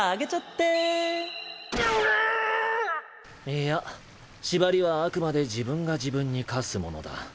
いや縛りはあくまで自分が自分に科すものだ。